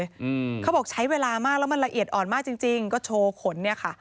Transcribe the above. อืมเขาบอกใช้เวลามากแล้วมันละเอียดอ่อนมากจริงจริงก็โชว์ขนเนี้ยค่ะ